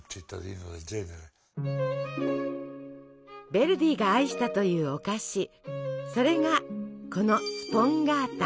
ヴェルディが愛したというお菓子それがこのスポンガータ。